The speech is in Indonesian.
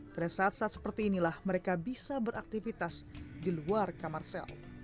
pada saat saat seperti inilah mereka bisa beraktivitas di luar kamar sel